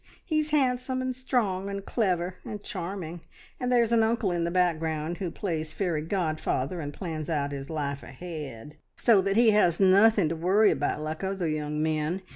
He's handsome, and strong, and clever, and charming, and there's an uncle in the background who plays fairy godfather and plans out his life ahead, so that he has nothing to worry about like other young men.